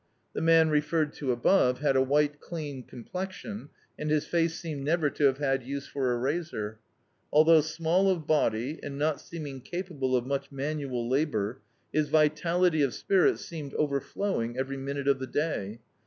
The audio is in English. The man referred to above, had a white clean complexion, and his face seemed never to have had use for a razor. Althou^ small of body, and not seeming capable of much manual labour, his vitality of s{Mrits seemed overflowing every minute of the day.